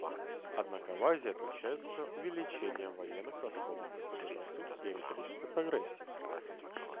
Однако в Азии отмечается увеличение военных расходов, которые растут в геометрической прогрессии.